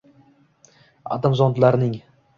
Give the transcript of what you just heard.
Atom zontlarining